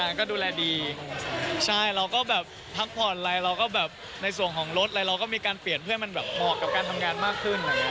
ก็ดอร์ศจิการก็ดูแลดีใช่เราก็แบบพักพอดเรายังแปลนก็แบบในส่วนของรถเราก็มีการเปลี่ยนเพื่อนมากมองกับงานมากขึ้น